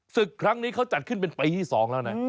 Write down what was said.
ศึกครั้งนี้เขาจัดขึ้นเป็นปีที่๒แล้วนะ